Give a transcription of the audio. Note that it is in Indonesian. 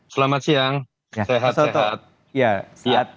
selamat siang sehat